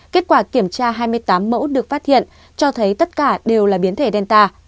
kết quả kiểm tra hai mươi tám mẫu được phát hiện cho thấy tất cả đều là biến thể delta